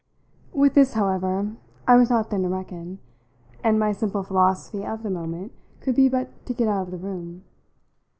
With this, however, I was not then to reckon, and my simple philosophy of the moment could be but to get out of the room.